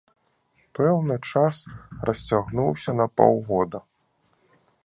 Пэўны час расцягнуўся на паўгода.